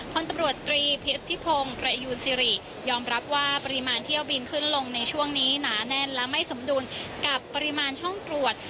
คนตำรวจตรีพิทธิพงศ์ประยูนสิริยอมรับว่าปริมาณเที่ยวบินขึ้นลงในช่วงนี้หนาแน่นและไม่สมดุลกับปริมาณช่องตรวจ